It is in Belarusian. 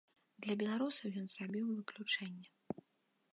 Для беларусаў ён зрабіў выключэнне.